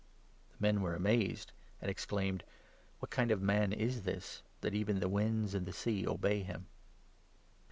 The men were amazed, and 27 exclaimed :" What kind of man is this, that even the winds and the sea obey him